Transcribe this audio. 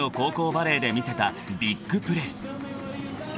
バレーで見せたビッグプレー］